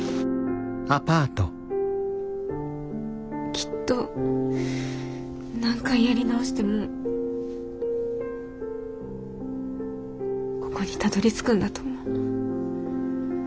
きっと何回やり直してもここにたどりつくんだと思う。